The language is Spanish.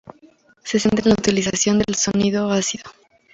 Se centra en la utilización del sonido ácido.